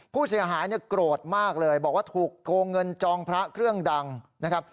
ผู้เสียหายเนี่ยโกรธมากเลยบอกว่าถูกโกงเงินจองพระเครื่องดังนะครับ